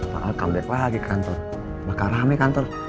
pak al comeback lagi ke kantor bakal rame kantor